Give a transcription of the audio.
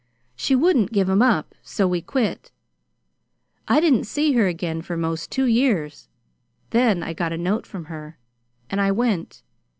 She wouldn't give 'em up, so we quit. I didn't see her again for 'most two years, then I got a note from her, and I went.